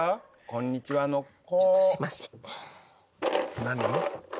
「こんにちは」の「こ」